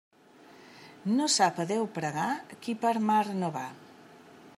No sap a Déu pregar qui per mar no va.